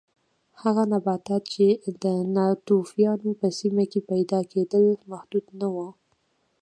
هغه نباتات چې د ناتوفیانو په سیمه کې پیدا کېدل محدود نه و